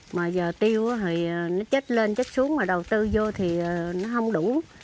mà giờ tiêu thì nó chết lên chết xuống mà đầu tư vô thì nó không đủ